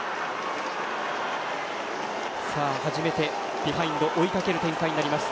初めてビハインド追いかける展開になります。